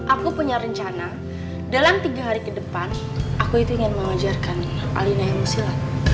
aku punya rencana dalam tiga hari ke depan aku itu ingin mengajarkan alina yang musilat